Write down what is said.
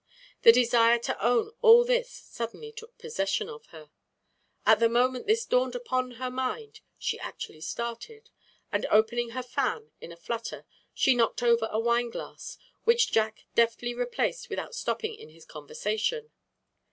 The desire to own all this suddenly took possession of her. At the moment this dawned upon her mind, she actually started, and, opening her fan in a flutter, she knocked over a wine glass, which Jack deftly replaced without stopping in his conversation.